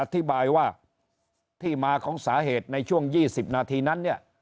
อธิบายว่าที่มาของสาเหตุในช่วง๒๐นาทีนั้นเนี่ย